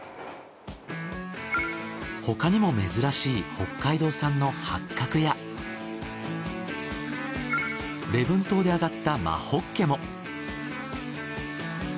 ほかにも珍しい北海道産の八角や礼文島で揚がった真ホッケも。